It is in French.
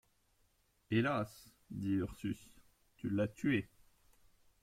Hélas! dit Ursus, tu l’as tuée.